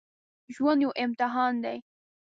ژوند یو امتحان دی